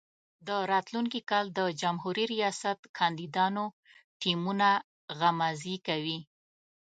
د راتلونکي کال د جمهوري ریاست کاندیدانو ټیمونه غمازي کوي.